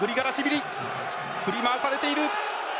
振り回されている。